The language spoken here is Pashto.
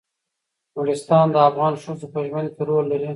نورستان د افغان ښځو په ژوند کې رول لري.